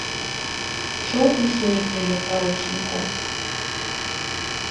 Чуў і смех яе паручніку.